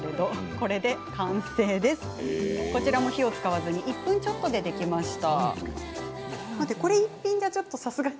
こちらも火を使わず１分ちょっとで、できました。